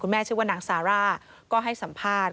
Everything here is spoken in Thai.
แม่ชื่อว่านางซาร่าก็ให้สัมภาษณ์